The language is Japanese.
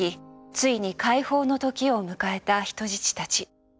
ついに解放の時を迎えた人質たち。